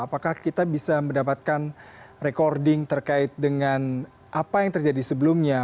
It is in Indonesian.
apakah kita bisa mendapatkan recording terkait dengan apa yang terjadi sebelumnya